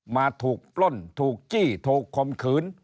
มาถูกปล้นถูกจี้ถูกคมขืน